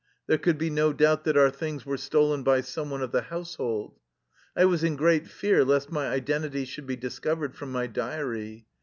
There could be no doubt that our things were stolen by some one of the household. I was in great fear lest my identity should be discovered from my diary.